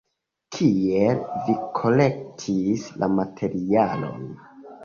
Kiel vi kolektis la materialon?